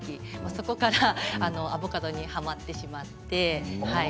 そこからアボカドにはまってしまって。